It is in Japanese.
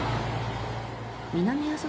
南阿蘇